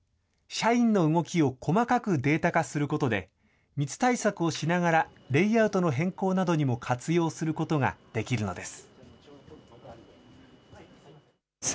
社員の動きを細かくデータ化することで、密対策をしながら、レイアウトの変更などにも活用することができるのです。